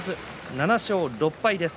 ７勝６敗です。